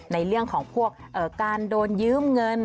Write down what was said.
ในเรื่องของพวกการโดนยืมเงิน